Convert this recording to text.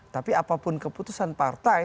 tapi apapun keputusan partai